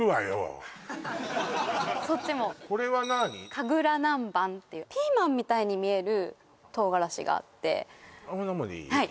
神楽南蛮っていうピーマンみたいに見える唐辛子があってこんなもんでいい？